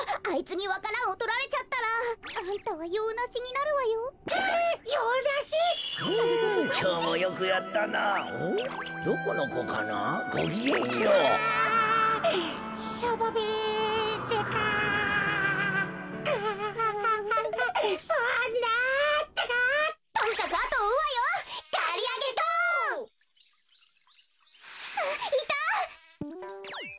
あっいた！